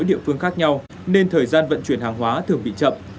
địa phương khác nhau nên thời gian vận chuyển hàng hóa thường bị chậm